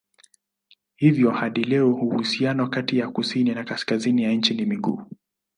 Hivyo hadi leo uhusiano kati ya kusini na kaskazini ya nchi ni mgumu.